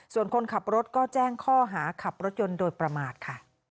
ส่วนคนขับรถก็แจ้งข้อหาขับรถยนต์โดยประมาทค่ะ